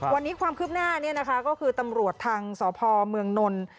วันนี้ความคืบหน้าก็คือตำรวจทางสภเมืองนนท์